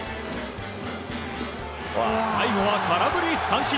最後は空振り三振！